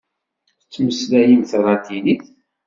Tettmeslayemt talatinit?